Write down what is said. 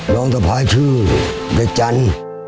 โรงสรรพายชื่อเด็กจันทร์